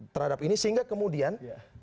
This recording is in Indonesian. terhadap ini sehingga kemudian